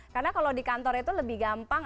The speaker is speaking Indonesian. karena kalau di kantor itu lebih gampang